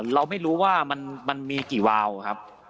เราไม่รู้ว่ามันมีกี่วาวครับ